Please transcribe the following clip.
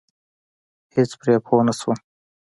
هېڅ پرې پوه نشوم.